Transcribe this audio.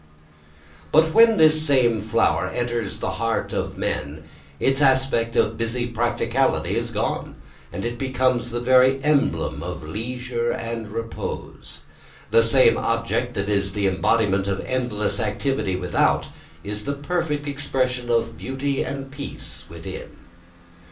But when this same flower enters the heart of men its aspect of busy practicality is gone, and it becomes the very emblem of leisure and repose. The same object that is the embodiment of endless activity without is the perfect expression of beauty and peace within.